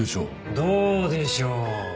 どうでしょう？